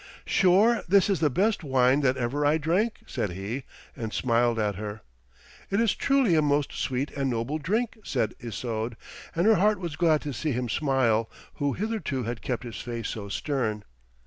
'Sure this is the best wine that ever I drank,' said he, and smiled at her. 'It is truly a most sweet and noble drink,' said Isoude, and her heart was glad to see him smile, who hitherto had kept his face so stern.